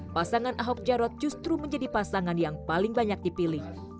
pasangan ahok jarot justru menjadi pasangan yang paling banyak dipilih